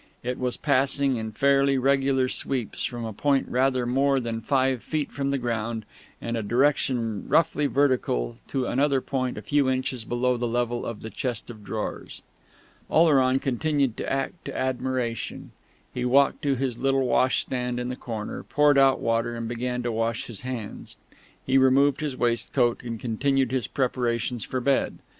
It was passing, in fairly regular sweeps, from a point rather more than five feet from the ground, in a direction roughly vertical, to another point a few inches below the level of the chest of drawers. Oleron continued to act to admiration. He walked to his little washstand in the corner, poured out water, and began to wash his hands. He removed his waistcoat, and continued his preparations for bed.